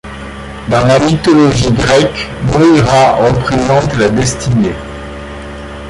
Dans la mythologie grecque, Moïra resprésente la destinée.